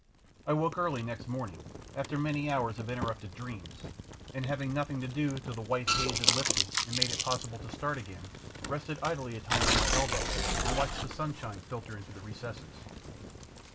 I woke early next morning, after many hours of interrupted dreams, and having nothing to do till the white haze had lifted and made it possible to start again, rested idly a time on my elbow and watched the sunshine filter into the recesses.